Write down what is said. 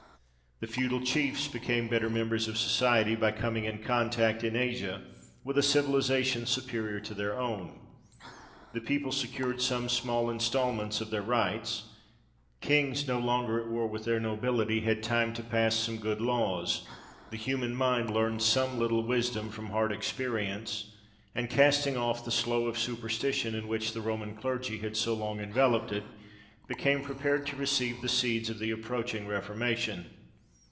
The feudal chiefs became better members of society by coming in contact, in Asia, with a civilisation superior to their own; the people secured some small instalments of their rights; kings, no longer at war with their nobility, had time to pass some good laws; the human mind learned some little wisdom from hard experience, and, casting off the slough of superstition in which the Roman clergy had so long enveloped it, became prepared to receive the seeds of the approaching Reformation.